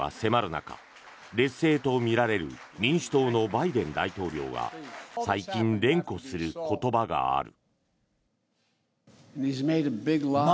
中劣勢とみられる民主党のバイデン大統領が最近連呼する言葉がある。